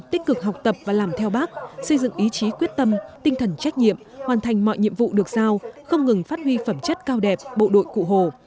tích cực học tập và làm theo bác xây dựng ý chí quyết tâm tinh thần trách nhiệm hoàn thành mọi nhiệm vụ được giao không ngừng phát huy phẩm chất cao đẹp bộ đội cụ hồ